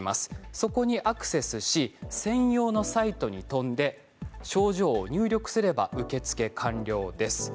そこにアクセスし専用のサイトにとんで症状を入力すれば受付完了です。